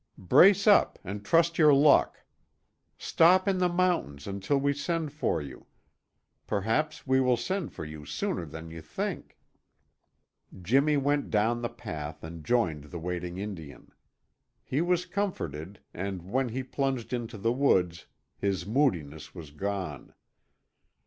"Brace up and trust your luck! Stop in the mountains until we send for you. Perhaps we will send for you sooner than you think." Jimmy went down the path and joined the waiting Indian. He was comforted, and when he plunged into the woods his moodiness was gone.